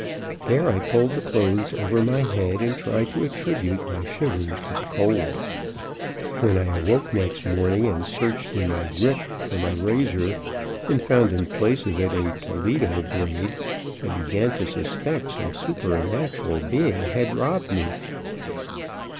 There I pulled the clothes over my head, and tried to attribute my shivers to the cold. When I awoke next morning and searched in my grip for my razor and found in place of it a "Toledo Blade," I began to suspect some supernatural being had robbed me.